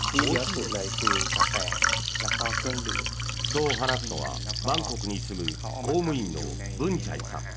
そう話すのはバンコクに住む公務員のブンチャイさん。